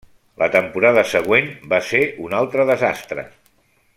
La temporada següent va ser un altre desastre.